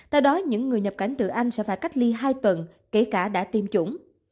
tại đó những người nhập cảnh từ anh sẽ phải cách ly hai tuần kể cả đã tiêm chủng